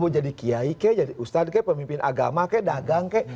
jadi kiai ke jadi ustad ke pemimpin agama ke dagang ke